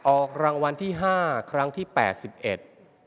ออกรางวัลที่ห้าครั้งที่แปดสิบเอ็ด